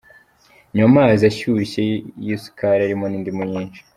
Nywa Amazi ashyushye y’isukali arimo n’indimu nyinshi .